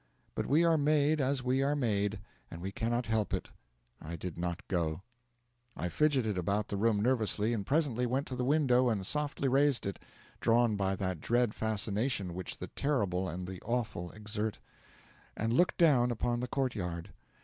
But we are made as we are made, and we cannot help it. I did not go. I fidgeted about the room nervously, and presently went to the window and softly raised it drawn by that dread fascination which the terrible and the awful exert and looked down upon the court yard.